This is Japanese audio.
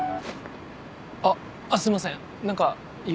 あっすいません何か夢？